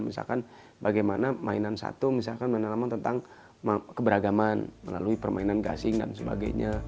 misalkan bagaimana mainan satu misalkan mainan lama tentang keberagaman melalui permainan gasing dan sebagainya